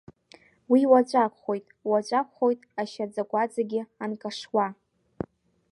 Уи уаҵә акәхоит, уаҵә акәхоит ашьаӡа-гәаӡагьы анкашуа.